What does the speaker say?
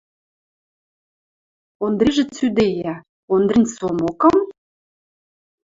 – Ондрижӹ цӱдейӓ, – Ондрин Сомокым?